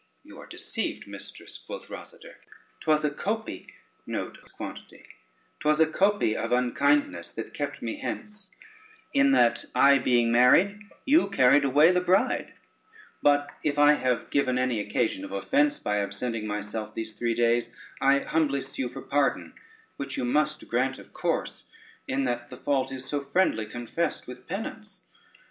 "You are deceived, mistress," quoth Rosader; "'twas a copy of unkindness that kept me hence, in that, I being married, you carried away the bride; but if I have given any occasion of offence by absenting myself these three days, I humbly sue for pardon, which you must grant of course, in that the fault is so friendly confessed with penance.